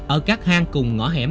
ở các hang cùng ngõ hẻm